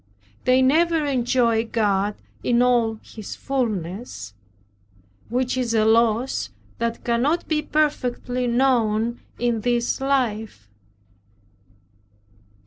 They never enjoy God in all His fullness; which is a loss that cannot be perfectly known in this life.